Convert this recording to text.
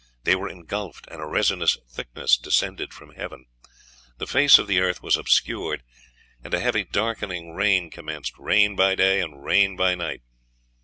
They were ingulfed, and a resinous thickness descended from heaven; ... the face of the earth was obscured, and a heavy darkening rain commenced rain by day and rain by night....